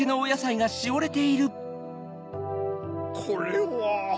これは。